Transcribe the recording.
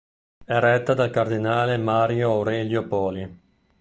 È retta dal cardinale Mario Aurelio Poli.